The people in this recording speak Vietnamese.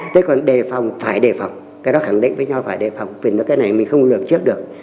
thế còn đề phòng phải đề phòng cái đó khẳng định với nhau phải đề phòng vì nó cái này mình không lừa trước được